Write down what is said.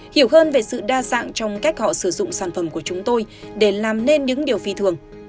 hiểu hơn về sự đa dạng trong cách họ sử dụng sản phẩm của chúng tôi để làm nên những điều phi thường